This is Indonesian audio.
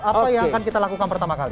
apa yang akan kita lakukan pertama kali